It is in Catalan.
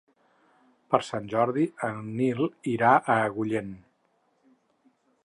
Per Sant Jordi en Nil irà a Agullent.